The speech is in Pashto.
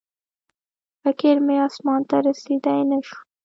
فکر مې اسمان ته رسېدی نه شو